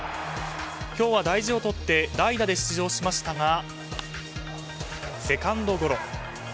今日は大事を取って代打で出場しましたがセカンドゴロ。